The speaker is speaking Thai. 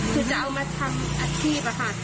คือจะเอามาทำอาชีพอะค่ะ